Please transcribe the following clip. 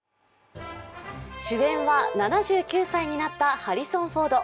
主演は７９歳になったハリソン・フォード。